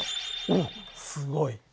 おっすごい。